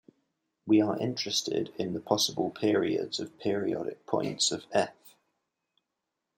We are interested in the possible periods of periodic points of "f".